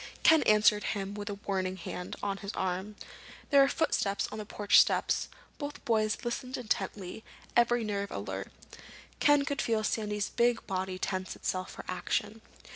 Ken answered him with a warning hand on his arm. There were footsteps on the porch steps. Both boys listened intently, every nerve alert. Ken could feel Sandy's big body tense itself for action.